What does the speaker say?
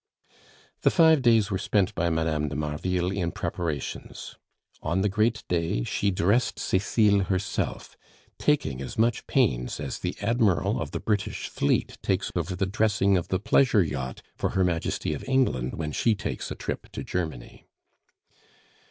The five days were spent by Mme. de Marville in preparations. On the great day she dressed Cecile herself, taking as much pains as the admiral of the British fleet takes over the dressing of the pleasure yacht for Her Majesty of England when she takes a trip to Germany.